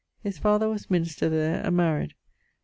His father was minister there, and maried